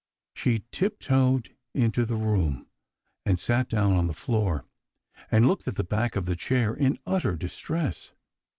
She tiptoed into the room, and sat down on the floor, and looked at the back of the chair in utter distress.